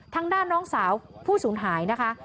ทางด้านน้องสาวผู้สูญหายนะคะ